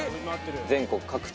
全国各地。